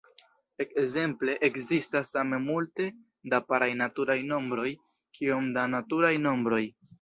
Ekzemple, ekzistas same multe da paraj naturaj nombroj kiom da naturaj nombroj.